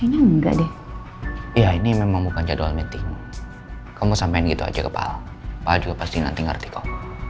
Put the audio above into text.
ya ini memang bukan jadwal meeting kamu sampein gitu aja ke pak hal pak hal juga pasti nanti ngerti kok